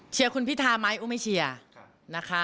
เชียร์คุณพิทาไหมอู๋ไม่เชียร์